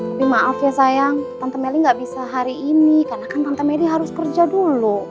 tapi maaf ya sayang tante melly nggak bisa hari ini karena kan tante meri harus kerja dulu